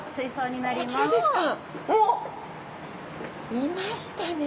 いましたね。